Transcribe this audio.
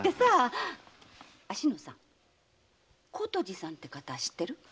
志乃さん「琴路さん」という方知ってる？